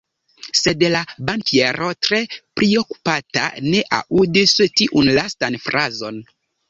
Sed la bankiero tre priokupata ne aŭdis tiun lastan frazon.